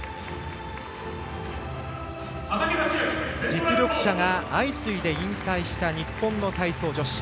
実力者が相次いで引退した日本の体操女子。